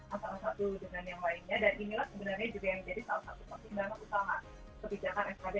antara satu dengan yang lainnya dan inilah sebenarnya juga yang menjadi salah satu pertimbangan utama kebijakan sad empat ratus